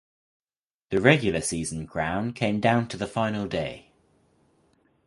The regular season crown came down to the final day.